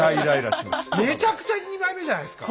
めちゃくちゃ二枚目じゃないですか。